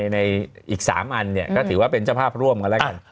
ในอีก๓อันเนี่ยก็ถือว่าเป็นเจ้าภาพร่วมกันแล้วกัน